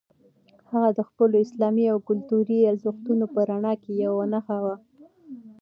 هغه د خپلو اسلامي او کلتوري ارزښتونو په رڼا کې یوه نښه وه.